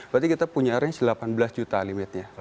berarti kita punya range delapan belas juta limitnya